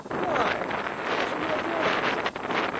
"Why, what are you a doing of?"